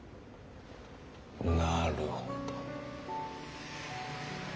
なるほど。